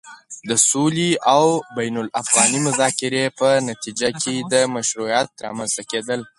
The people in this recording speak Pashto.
د سولې او بين الافغاني مذاکرې په نتيجه کې د مشروعيت رامنځته کېدل